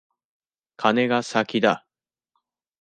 カネが先だ。